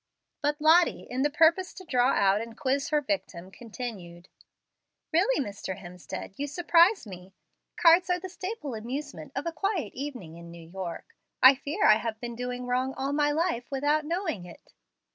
But Lottie, in the purpose to draw out and quiz her victim, continued: "Really, Mr. Hemstead, you surprise me. Cards are the staple amusement of a quiet evening in New York. I fear I have been doing wrong all my life without knowing it."